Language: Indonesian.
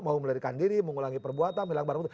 mau melarikan diri mengulangi perbuatan melarikan barang